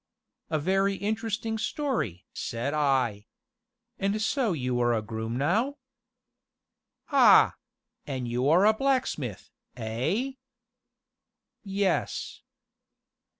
"A very interesting story!" said I. "And so you are a groom now?" "Ah! an' you are a blacksmith, eh?" "Yes."